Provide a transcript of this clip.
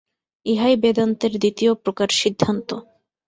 ইহাই বেদান্তের দ্বিতীয় প্রকার সিদ্ধান্ত।